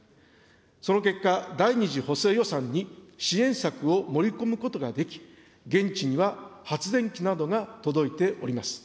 その結果、第２次補正予算に支援策を盛り込むことができ、現地には発電機などが届いております。